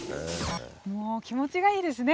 もう気持ちがいいですね！